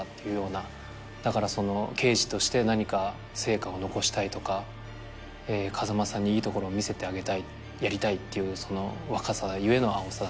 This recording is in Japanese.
だから刑事として何か成果を残したいとか風間さんにいいところを見せてやりたいっていう若さ故の青さだったりとか。